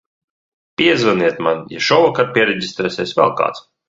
Piezvaniet man, ja šovakar piereģistrēsies vēl kāds.